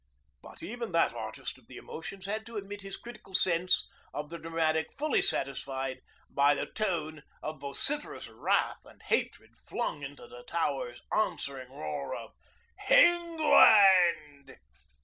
But even that artist of the emotions had to admit his critical sense of the dramatic fully satisfied by the tone of vociferous wrath and hatred flung into the Towers' answering roar of '.... _England!